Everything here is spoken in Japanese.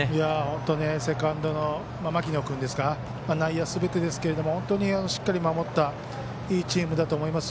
本当にセカンドの牧野君内野すべてですけれどもしっかり守ったいいチームだと思います。